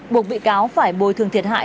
bục bị cáo phải bồi thường thiệt hại